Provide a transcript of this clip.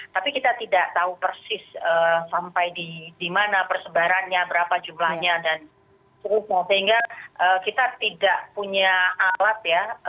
tapi kita tidak tahu persis sampai di mana persebarannya berapa jumlahnya dan sehingga kita tidak punya alat ya